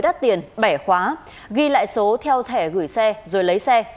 đắt tiền bẻ khóa ghi lại số theo thẻ gửi xe rồi lấy xe